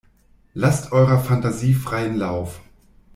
Lasst eurer Fantasie freien Lauf!